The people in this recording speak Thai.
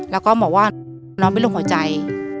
แล้วก็หมอว่าน้องไม่ลงหัวใจ